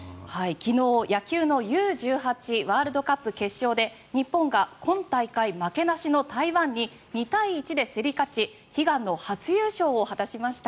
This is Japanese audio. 昨日、野球のＵ−１８ワールドカップ決勝で日本が今大会負けなしの台湾に２対１で競り勝ち悲願の初優勝を果たしました。